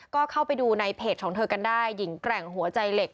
ก็เข้าไปดูในเพจของเธอกันได้หญิงแกร่งหัวใจเหล็ก